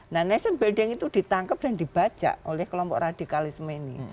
nah nation building itu ditangkap dan dibaca oleh kelompok radikalisme ini